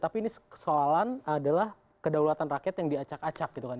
tapi ini persoalan adalah kedaulatan rakyat yang diacak acak gitu kan